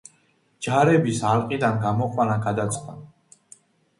ჯარების ალყიდან გამოყვანა გადაწყდა.